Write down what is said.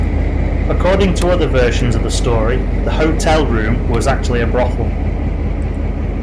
According to other versions of the story, the "hotel room" was actually a brothel.